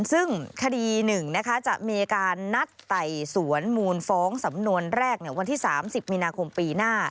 ซึ่งคดี๑จะมีการนัดไต่สวนมูลฟ้องสำนวนแรกวันที่๓๐มีนาคมปีหน้า